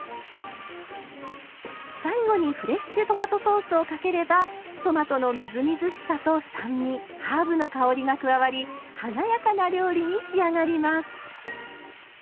最後にフレッシュトマトソースをかければトマトのみずみずしさと酸味ハーブの香りが加わり華やかな料理に仕上がります。